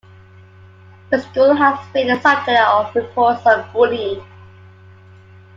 The school has been the subject of reports on bullying.